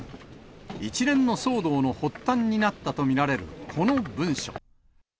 一連の騒動の発端になったと見られる、この文書。